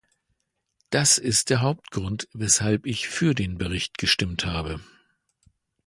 Das ist der Hauptgrund, weshalb ich für den Bericht gestimmt habe.